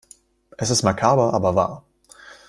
Es ist makaber aber wahr.